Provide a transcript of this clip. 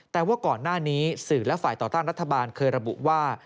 แต่ว่าก่อนหน้านี้สื่อและฝ่ายต่อต้านรัฐบาลเคยระบุว่า